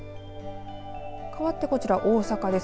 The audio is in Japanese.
かわってこちら大阪です。